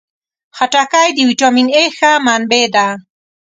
خټکی د ویټامین A ښه منبع ده.